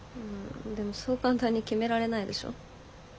うんでもそう簡単に決められないでしょ。